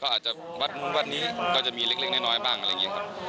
อาจจะวัดนู้นวัดนี้ก็จะมีเล็กน้อยบ้างอะไรอย่างนี้ครับ